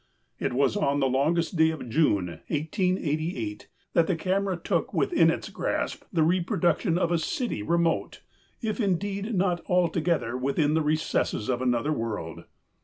" It was on the longest day of June, 1888, that the camera took within its grasp the reproduction of a city remote, if indeed not altogether within the recesses of another world.